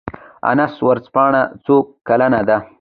انیس ورځپاڼه څو کلنه ده؟